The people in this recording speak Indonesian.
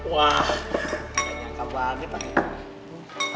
wah gak nyangka banget kita